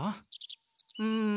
うん。